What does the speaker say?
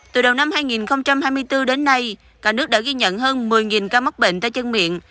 từ đầu năm hai nghìn hai mươi bốn đến nay cả nước đã ghi nhận hơn một mươi ca mắc bệnh tay chân miệng